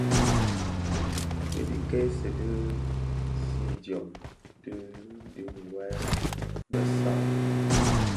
Bi dhi kèsi di zidyōm di dhiňwê bè saad.